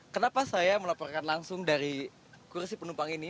kenapa saya melaporkan langsung dari kursi penumpang ini